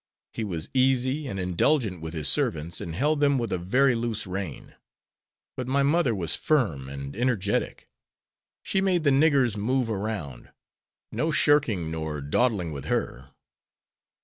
He was easy and indulgent with his servants, and held them with a very loose rein. But my mother was firm and energetic. She made the niggers move around. No shirking nor dawdling with her.